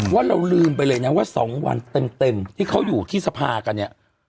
ว่าเราลืมไปเลยนะว่า๒วันเต็มที่เขาอยู่ที่สภากันเนี่ย